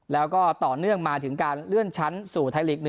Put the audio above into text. แล้วก็ต่อเนื่องมาถึงการเลื่อนชั้นสู่ไทยลีก๑